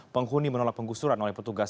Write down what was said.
penghuni menolak penggusuran oleh petugas